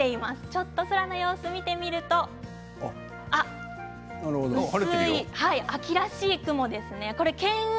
ちょっと空の様子を見てみると薄い秋らしい雲ですね。